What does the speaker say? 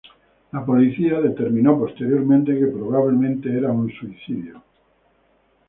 La policía determinó posteriormente que probablemente era un suicidio.